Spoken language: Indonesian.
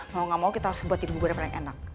mau gak mau kita harus buat jadi beberapa yang enak